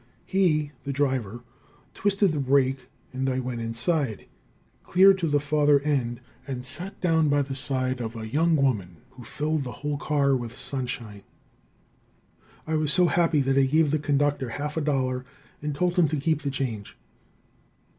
He (the driver) twisted the brake and I went inside, clear to the further end, and sat down by the side of a young woman who filled the whole car with sunshine. I was so happy that I gave the conductor half a dollar and told him to keep the change.